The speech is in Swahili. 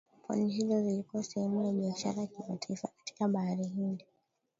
Pwani hizo zilikuwa sehemu ya biashara ya kimataifa katika Bahari ya Hindi